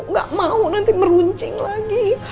nggak mau nanti meruncing lagi